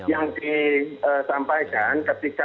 yang disampaikan ketika